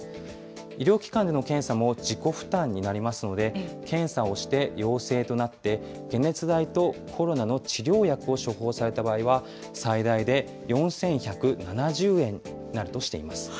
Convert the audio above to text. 医療機関での検査も自己負担になりますので、検査をして陽性となって、解熱剤とコロナの治療薬を処方された場合は、最大で４１７０円になるとしています。